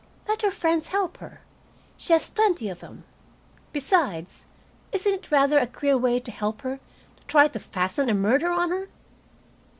"Let her friends help her. She has plenty of them. Besides, isn't it rather a queer way to help her, to try to fasten a murder on her?"